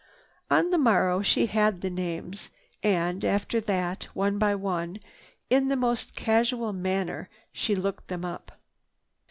On the morrow she had the names. And, after that, one by one, in the most casual manner she looked them up.